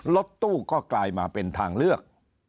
รถตู้ก็กลายมาเป็นทางเลือก